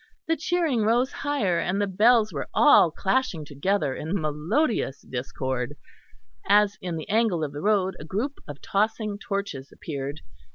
The cheering rose higher, and the bells were all clashing together in melodious discord, as in the angle of the road a group of tossing torches appeared.